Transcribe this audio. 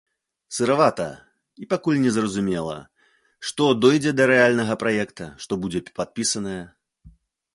Сыравата, і пакуль незразумела, што дойдзе да рэальнага праекта, што будзе падпісанае.